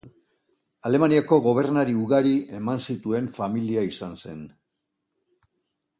Alemaniako gobernari ugari eman zituen familia izan zen.